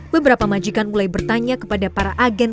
beberapa majikan mulai bertanya kepada para agen